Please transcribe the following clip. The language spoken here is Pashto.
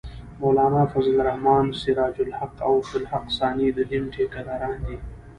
مولانا فضل الرحمن ، سراج الحق او عبدالحق ثاني د دین ټېکه داران دي